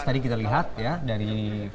tadi kita lihat ya dari